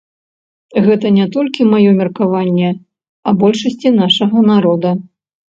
Гэта не толькі маё меркаванне, а большасці нашага народа.